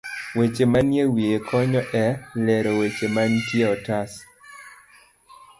Weche manie wiye konyo e lero weche manie otas.